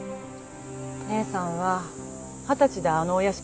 姉さんは二十歳であのお屋敷に嫁いで。